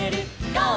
「ゴー！